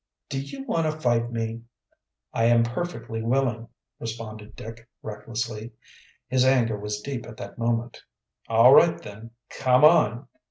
"Do you want to fight me?" "I am perfectly willing," responded Dick recklessly. His anger was deep at that moment. "All right then, come on!"